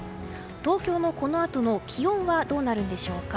東京のこのあとの気温はどうなるんでしょうか。